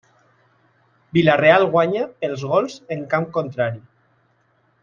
Vila-real guanya pels gols en camp contrari.